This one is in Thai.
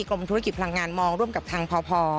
กรมธุรกิจพลังงานมองร่วมกับทางพอ